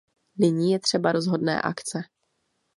Nyní je třeba rozhodné akce.